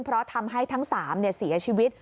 เพราะทำให้ทั้ง๓เสียชีวิต